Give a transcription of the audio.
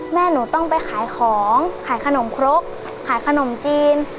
แม่หนูต้องไปขายของขายขนมครกขายขนมจีน